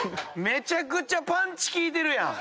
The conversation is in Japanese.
めちゃくちゃパンチ効いてるやん！